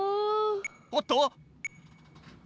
おっと？